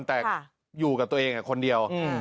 แต่อยู่กับตัวเองคนเดียว